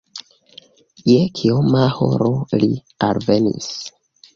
Je kioma horo li alvenis?